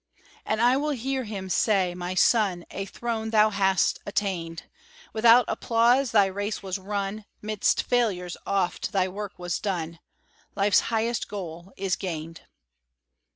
And I will hear Him say, "My son, A throne thou hast attained; Without applause thy race was run, 'Midst failures oft thy work was done, Life's highest goal is gained."